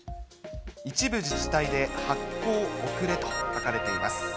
一部自治体で発行遅れと書かれています。